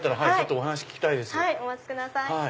お待ちください。